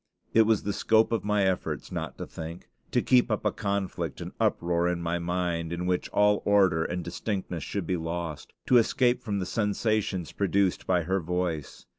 It was the scope of my efforts not to think; to keep up a conflict and uproar in my mind in which all order and distinctness should be lost; to escape from the sensations produced by her voice.